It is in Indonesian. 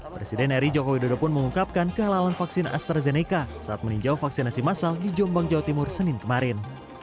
presiden eri joko widodo pun mengungkapkan kehalalan vaksin astrazeneca saat meninjau vaksinasi masal di jombang jawa timur senin kemarin